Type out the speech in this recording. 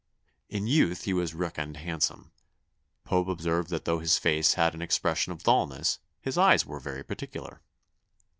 ... In youth he was reckoned handsome; Pope observed that though his face had an expression of dulness, his eyes were very particular.